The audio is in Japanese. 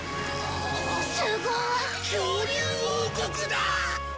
すごい恐竜王国だ！